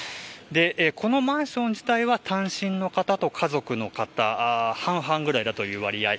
このマンション自体は単身の方と家族の方は半々ぐらいの割合。